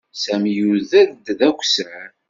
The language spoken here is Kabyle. Sami yuder-d d akessar.